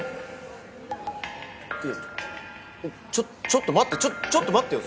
いやちょっと待ってちょっと待ってよ。